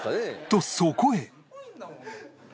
とそこへ